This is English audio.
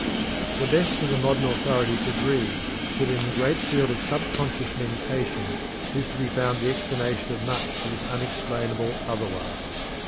The best of the modern authorities agree that in the great field of subconscious mentation is to be found the explanation of much that is unexplainable otherwise.